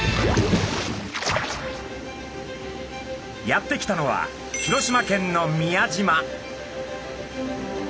やって来たのは広島県の宮島。